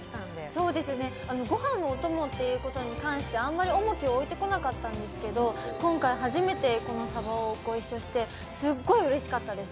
ご飯のお供に関してあまり重きを置いてこなかったんですけど、今回初めて、このさばをご一緒してすごいうれしかったです。